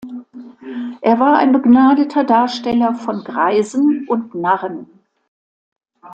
Er war ein begnadeter Darsteller von Greisen und Narren.